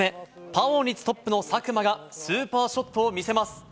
パーオン率トップの佐久間が、スーパーショットを見せます。